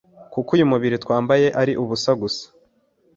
kuko uyu mubiri twambaye ari ubus gusa,